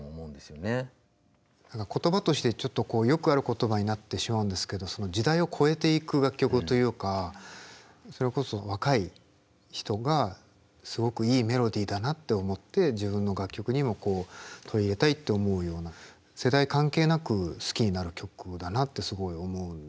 言葉としてちょっとよくある言葉になってしまうんですけどその時代を超えていく楽曲というかそれこそ若い人がすごくいいメロディーだなって思って自分の楽曲にも取り入れたいって思うような世代関係なく好きになる曲だなってすごい思うんですよね。